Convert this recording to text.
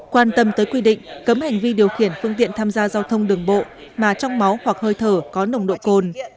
quan tâm tới quy định cấm hành vi điều khiển phương tiện tham gia giao thông đường bộ mà trong máu hoặc hơi thở có nồng độ cồn